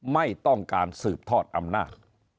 ไม่ต้องการสืบทอดอำนาจ